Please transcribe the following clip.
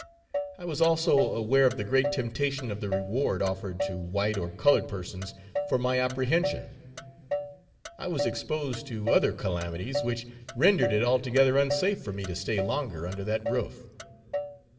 I was also aware of the great temptation of the reward offered to white or colored persons for my apprehension; I was exposed to other calamities which rendered it altogether unsafe for me to stay longer under that roof.